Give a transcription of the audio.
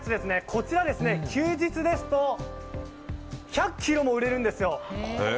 こちら、休日ですと１００ｋｇも売れるんですよ。